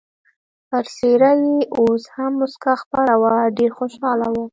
پر څېره یې اوس هم مسکا خپره وه، ډېر خوشحاله و.